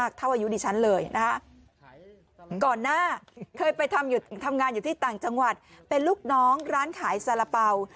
เขาไปทำงานอยู่ที่ต่างจังหวัดเป็นลูกน้องร้านขายซาละเป๋า